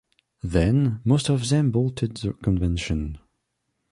Then most of them bolted the convention.